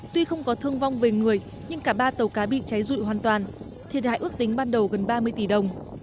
tuy không có thương vong về người nhưng cả ba tàu cá bị cháy rụi hoàn toàn thiệt hại ước tính ban đầu gần ba mươi tỷ đồng